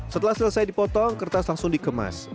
setelah selesai dipotong kertas langsung dikemas